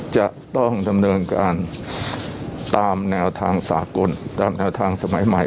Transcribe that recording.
จะต้องดำเนินการตามแนวทางสากลตามแนวทางสมัยใหม่